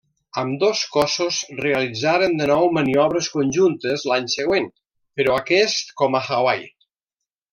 Ambdós cossos realitzaren de nou maniobres conjuntes l'any següent, però aquest com a Hawaii.